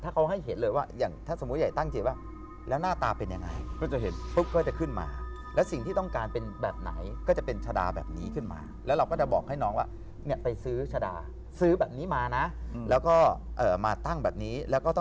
คุณสื่อสารกับเทวดาขนาดนั้นเลยหรือ